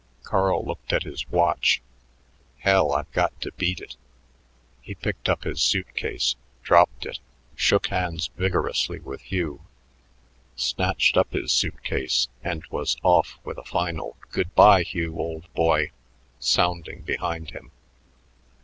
Carl looked at his watch. "Hell, I've got to beat it." He picked up his suit case, dropped it, shook hands vigorously with Hugh, snatched up his suit case, and was off with a final, "Good by, Hugh, old boy," sounding behind him.